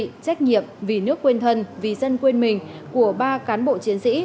trách nhiệm vì nước quên thân vì dân quên mình của ba cán bộ chiến sĩ